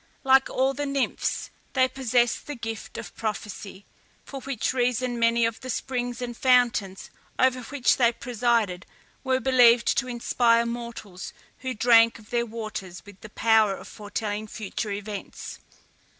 Like all the nymphs, they possessed the gift of prophecy, for which reason many of the springs and fountains over which they presided were believed to inspire mortals who drank of their waters with the power of foretelling future events.